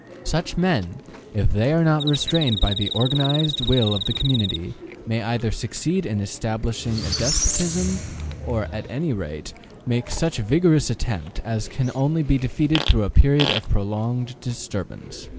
Such men, if they are not restrained by the organized will of the community, may either succeed in establishing a despotism, or, at any rate, make such a vigorous attempt as can only be defeated through a period of prolonged disturbance.